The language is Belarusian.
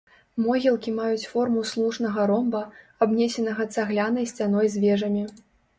Могілкі маюць форму слушнага ромба, абнесенага цаглянай сцяной з вежамі.